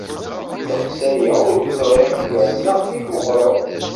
Ddeqs-aya ur k-ẓriɣ yerna aql-ik meqqreḍ.